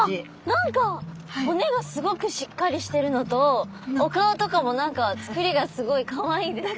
何か骨がすごくしっかりしてるのとお顔とかも何か作りがすごいかわいいですよね。